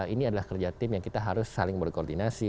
ini adalah kerja tim yang kita harus saling berkoordinasi